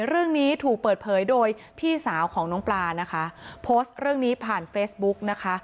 เรื่องนี้ถูกเปิดเผยโดยพี่สาวของน้องปลานะคะโพสต์เรื่องนี้ผ่านเฟซบุ๊กนะคะ